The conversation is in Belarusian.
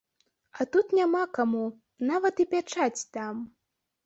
А тут няма каму, нават і пячаць там.